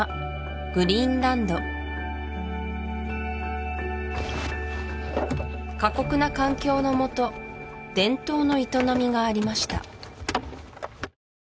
グリーンランド過酷な環境のもと伝統の営みがありました